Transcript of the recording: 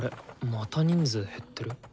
また人数減ってる？